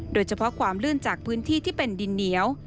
โดยเฉพาะความลื่นจากพื้นที่ที่เป็นดินเหนียว